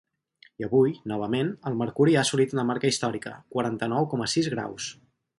I avui, novament, el mercuri ha assolit una marca històrica: quaranta-nou coma sis graus.